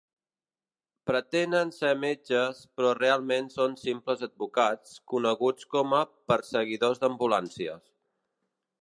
Pretenen ser metges, però realment són simples advocats, coneguts com a "perseguidors d'ambulàncies".